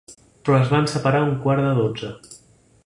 Però es van separar a un quart de dotze.